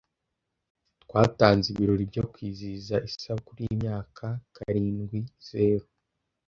Twatanze ibirori byo kwizihiza isabukuru yimyaka karindwizeru.